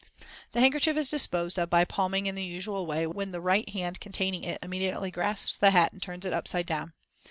The handkerchief is disposed of by palming in the usual way, when the right hand containing it immediately grasps the hat and turns it upside down.